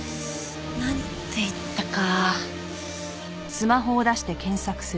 なんていったか。